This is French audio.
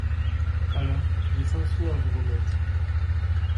Alors, j’ai cinq sous à vous remettre…